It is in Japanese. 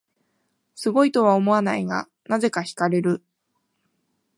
すごいとは思わないが、なぜか惹かれる